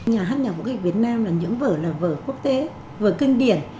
nhà hát nhạc vũ kịch việt nam là những vở là vở quốc tế vở kinh điển